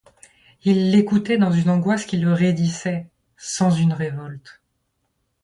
Il l'écoutait dans une angoisse qui le raidissait, sans une révolte.